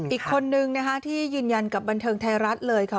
อีกคนนึงนะคะที่ยืนยันกับบันเทิงไทยรัฐเลยค่ะ